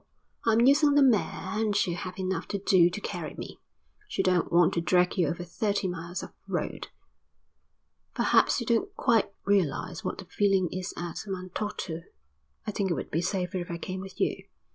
I'm using the mare and she'll have enough to do to carry me; she don't want to drag you over thirty miles of road." "Perhaps you don't quite realise what the feeling is at Matautu. I think it would be safer if I came with you."